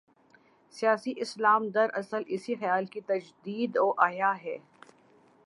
'سیاسی اسلام‘ دراصل اسی خیال کی تجدید و احیا ہے۔